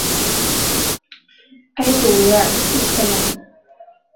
埃鲁维尔圣克莱。